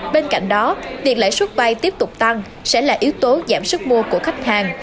bên cạnh đó việc lãi xuất vay tiếp tục tăng sẽ là yếu tố giảm sức mua của khách hàng